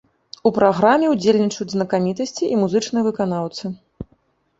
У праграме ўдзельнічаюць знакамітасці і музычныя выканаўцы.